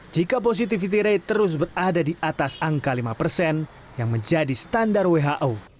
jika positivity rate terus berada di atas angka lima persen yang menjadi standar who